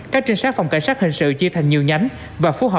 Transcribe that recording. các trinh sát phòng cảnh sát hành sự chia thành nhiều nhánh và phố họ